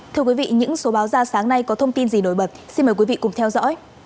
thưa quý vị những số báo ra sáng nay có thông tin gì nổi bật xin mời quý vị cùng theo dõi